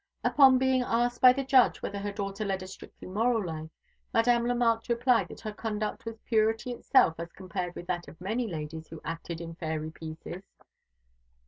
Upon being asked by the judge whether her daughter led a strictly moral life, Madame Lemarque replied that her conduct was purity itself as compared with that of many ladies who acted in fairy pieces.